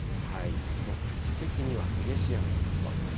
局地的には激しい雨が降りそうです。